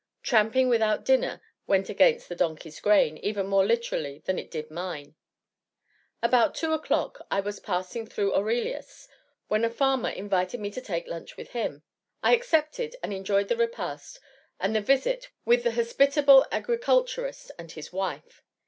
Tramping without dinner went against the donkey's grain even more literally than it did mine. About 2 o'clock I was passing through Aurelius, when a farmer invited me to take lunch with him. I accepted, and enjoyed the repast and the visit with the hospitable agriculturist and his wife.